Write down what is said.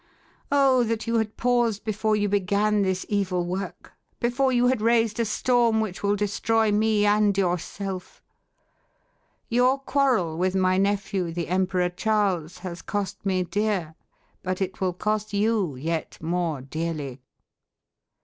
Oh! that you had paused before you began this evil work before you had raised a storm which will destroy me and yourself. Your quarrel with my nephew the Emperor Charles has cost me dear, but it will cost you yet more dearly."